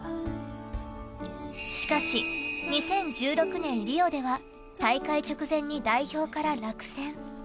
しかし、２０１６年リオでは大会直前に代表から落選。